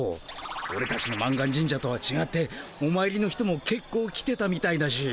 オレたちの満願神社とはちがっておまいりの人もけっこう来てたみたいだし。